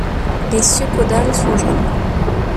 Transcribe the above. Les sus-caudales sont jaunes.